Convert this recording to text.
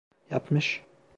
Yapmış.